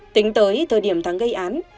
tính tới thời điểm thắng gây án